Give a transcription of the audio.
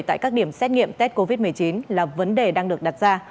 tại các điểm xét nghiệm tết covid một mươi chín là vấn đề đang được đặt ra